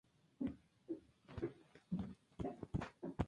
Los brazos de la cruz sobresalen de los bordes.